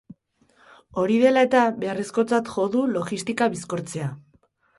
Hori dela eta, beharrezkotzat jo du logistika bizkortzea.